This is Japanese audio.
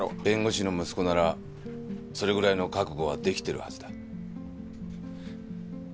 弁護士の息子ならそれぐらいの覚悟はできてるはずだ。